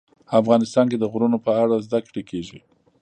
افغانستان کې د غرونه په اړه زده کړه کېږي.